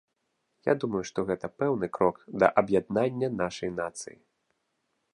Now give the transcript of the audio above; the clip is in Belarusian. Я думаю, што гэта пэўны крок да аб'яднання нашай нацыі.